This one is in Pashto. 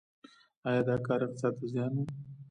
آیا دا کار اقتصاد ته زیان و؟